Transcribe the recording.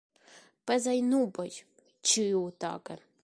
Pezaj nuboj ĉiutage.